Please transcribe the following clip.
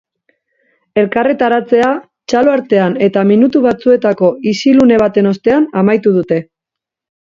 Elkarretaratzea txalo artean eta minutu batzuetako isilune baten ostean amaitu dute.